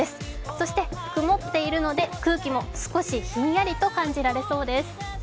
そして曇っているので空気も少しひんやりと感じられそうです。